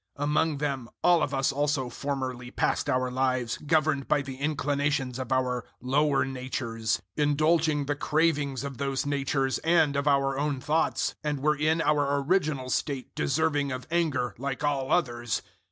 002:003 Among them all of us also formerly passed our lives, governed by the inclinations of our lower natures, indulging the cravings of those natures and of our own thoughts, and were in our original state deserving of anger like all others.